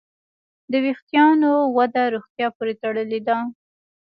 د وېښتیانو وده روغتیا پورې تړلې ده.